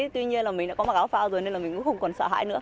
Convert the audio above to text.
tuy nhiên là mình đã có mặc áo phao rồi nên là mình cũng không còn sợ hãi nữa